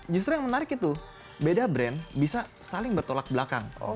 justru yang menarik itu beda brand bisa saling bertolak belakang